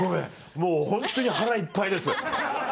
もうホントに腹いっぱいです。